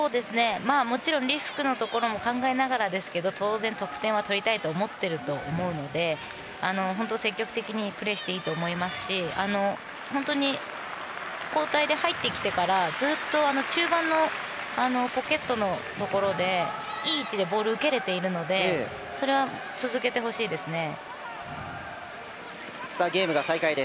もちろん、リスクのところも考えながらですけど当然、得点は取りたいと思っていると思うので積極的にプレーしていいと思いますし本当に交代で入ってきてからずっと中盤のポケットのところでいい位置でボールを受けれているのでそれは続けてほしいですね。